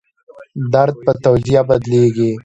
درد په توجیه بدلېږي.